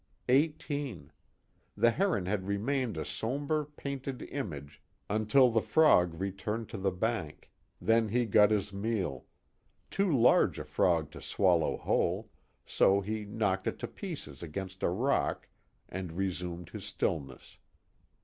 Eighteen. The heron had remained a somber painted image until the frog returned to the bank; then he got his meal: too large a frog to swallow whole, so he knocked it to pieces against a rock and resumed his stillness.